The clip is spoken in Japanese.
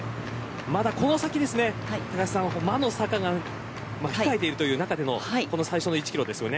まだこの先魔の坂が控えているという中での最初の１キロですよね。